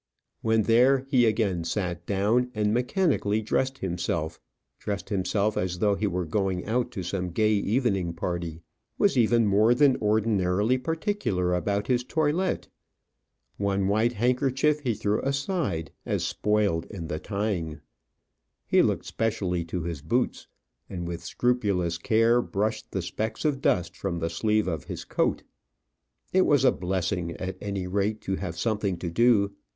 When there, he again sat down, and mechanically dressed himself dressed himself as though he were going out to some gay evening party was even more than ordinarily particular about his toilet. One white handkerchief he threw aside as spoiled in the tying. He looked specially to his boots, and with scrupulous care brushed the specks of dust from the sleeve of his coat. It was a blessing, at any rate, to have something to do.